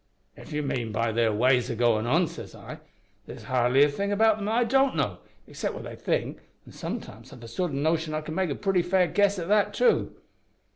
"`If you mean by that their ways o' goin' on,' says I, `there's hardly a thing about 'em that I don't know, except what they think, an' sometimes I've a sort o' notion I could make a pretty fair guess at that too.'